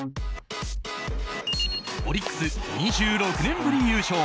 オリックス、２６年ぶり優勝。